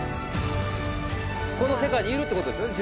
この世界にいるってことですよね？